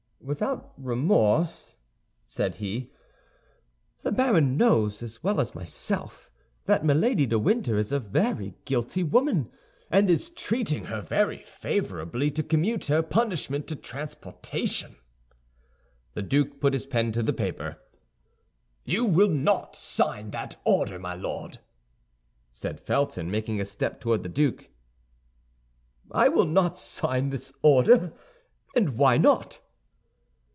"Without remorse," said he. "The baron knows, as well as myself, that Milady de Winter is a very guilty woman, and it is treating her very favorably to commute her punishment to transportation." The duke put his pen to the paper. "You will not sign that order, my Lord!" said Felton, making a step toward the duke. "I will not sign this order! And why not?"